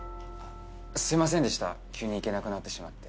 すみませんでした急に行けなくなってしまって。